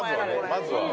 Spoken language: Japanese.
まずは。